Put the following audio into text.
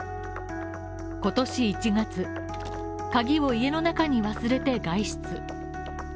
今年１月、鍵を家の中に忘れて外出。